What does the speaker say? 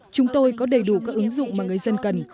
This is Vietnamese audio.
chúng tôi có đầy đủ các ứng dụng mà người dân cần